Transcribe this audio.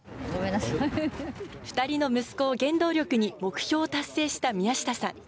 ２人の息子を原動力に、目標を達成した宮下さん。